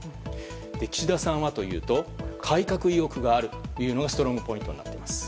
岸田さんはというと改革意欲があるというのがストロングポイントに挙げています。